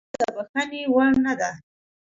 وژنه د بښنې وړ نه ده